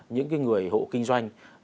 những người hộ kinh doanh